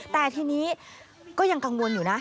แต่ทีนี้ก็ยังกังวลอยู่นะ